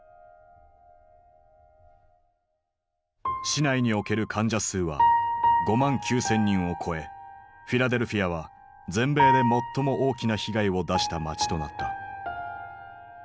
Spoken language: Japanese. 市内における患者数は５万９，０００人を超えフィラデルフィアは全米で最も大きな被害を出した街となった。